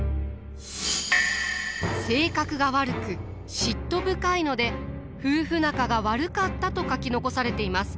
性格が悪く嫉妬深いので夫婦仲が悪かったと書き残されています。